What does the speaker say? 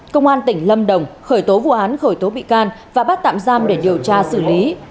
công an tỉnh lâm đồng khởi tố vụ án khởi tố bị can và bắt tạm giam để điều tra xử lý